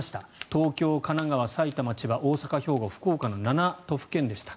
東京、神奈川、埼玉、千葉は大阪、兵庫、福岡の７都府県でした。